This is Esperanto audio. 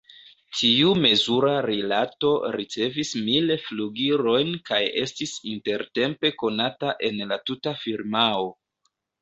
Tiu mezura rilato ricevis mil flugilojn kaj estis intertempe konata en la tuta firmao.